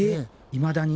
いまだに？